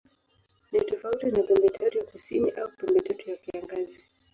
Ni tofauti na Pembetatu ya Kusini au Pembetatu ya Kiangazi.